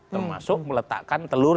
termasuk meletakkan telur